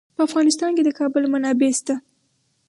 په افغانستان کې د کابل منابع شته.